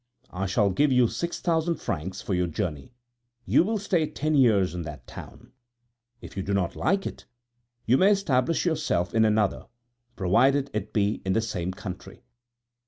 I shall give you six thousand francs for your journey. You will stay ten years in that town; if you do not like it, you may establish yourself in another, provided it be in the same country.